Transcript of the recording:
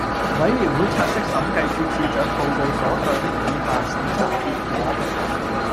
委員會察悉審計署署長報告書所載的以下審查結果